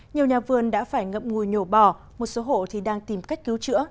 nhiều nhà vườn đã phải ngậm ngùi nhổ bỏ một số hộ thì đang tìm cách cứu chữa